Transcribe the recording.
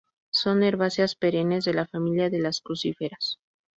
Son herbáceas perennes de la familia de las crucíferas.